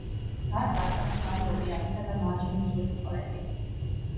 გარს აკრავს წყნარი ოკეანისა და მარჯნის ზღვის წყლები.